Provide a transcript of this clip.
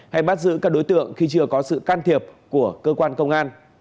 hay bắt giữ các đối tượng khi chưa có sự can thiệp của cơ quan công an